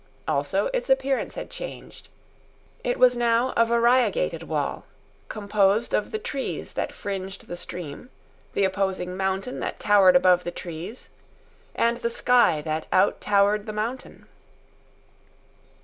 Also, its appearance had changed. It was now a variegated wall, composed of the trees that fringed the stream, the opposing mountain that towered above the trees, and the sky that out towered the mountain.